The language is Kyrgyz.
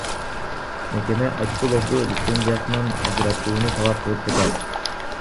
Мекеме Айткуловду лицензиясынан ажыратууну талап кылып жатат.